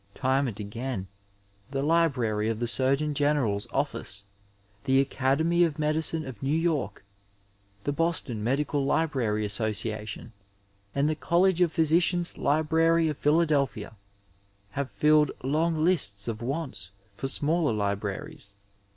Time and again the Library of the Surgeon Greneral's OflSce, the Academy of Medicine of New York, the Boston Medical Library Association, and the College of Physicians' Library of Philadelphia have 810 Digitized by VjOOQIC MEDICAL BIBLIOGRAPHY fiUed long lists of wants for smaller libraries.